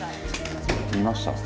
見ました？